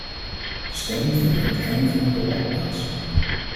De stemming vindt aan het einde van het debat plaats.